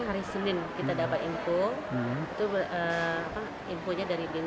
saya bikin sendiri juga